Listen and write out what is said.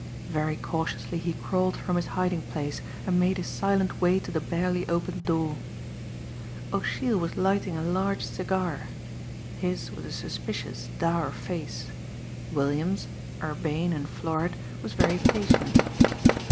Very cautiously he crawled from his hiding place and made his silent way to the barely opened door. O'Sheill was lighting a large cigar. His was a suspicious, dour face. Williams, urbane and florid, was very patient.